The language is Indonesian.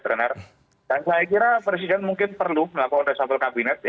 dan saya kira presiden mungkin perlu melakukan resabel kabinet